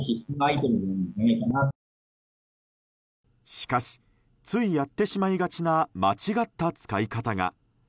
しかしついやってしまいがちな間違った使い方が。